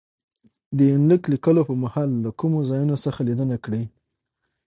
دې يونليک ليکلو په مهال له کومو ځايونو څخه ليدنه کړې